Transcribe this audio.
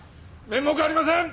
面目ありません！